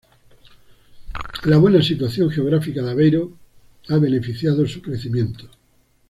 La buena situación geográfica de Aveiro ha beneficiado su crecimiento.